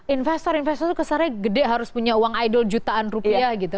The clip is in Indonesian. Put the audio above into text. investor investor itu kesannya gede harus punya uang idol jutaan rupiah gitu